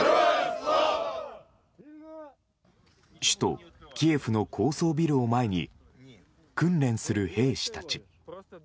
首都キエフの高層ビルを前に訓練する兵士たち。